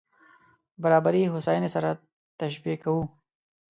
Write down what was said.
برابري هوساينې سره نه تشبیه کوو.